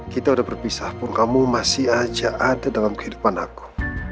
kita sudah berpisah pun kamu masih aja ada dalam kehidupan aku